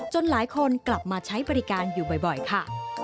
หลายคนกลับมาใช้บริการอยู่บ่อยค่ะ